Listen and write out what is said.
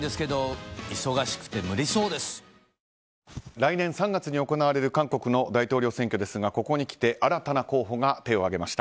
来年３月に行われる韓国の大統領選挙ですがここにきて新たな候補が手を挙げました。